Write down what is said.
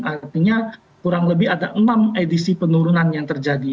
artinya kurang lebih ada enam edisi penurunan yang terjadi